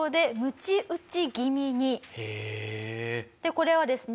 これはですね